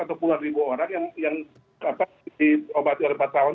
atau puluhan ribu orang yang diobati oleh pasangan